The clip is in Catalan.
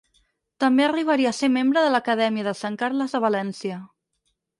També arribaria a ser membre de l'Acadèmia de Sant Carles de València.